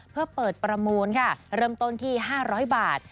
เพื่อเปิดประมูลค่ะเริ่มต้นที่๕๐๐บาท